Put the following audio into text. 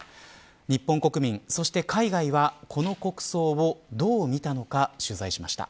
日本国民、そして海外はこの国葬をどう見たのか取材しました。